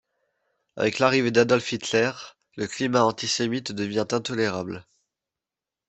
Avec l'arrivée d'Adolf Hitler, le climat antisémite devient intolérable.